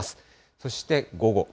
そして、午後。